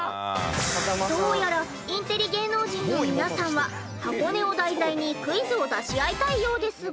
どうやらインテリ芸能人の皆さんは箱根を題材にクイズを出し合いたいようですが。